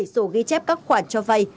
bảy số ghi chép các khoản cho vai